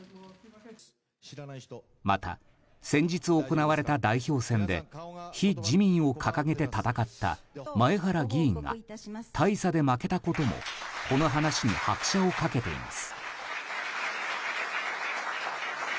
また先日行われた代表選で非自民と掲げて戦った前原議員が大差で負けたこともこの話に拍車を掛けています。